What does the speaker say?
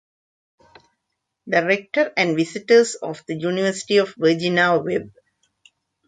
The Rector and Visitors of the University of Virginia, Web.